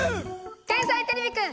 「天才てれびくん」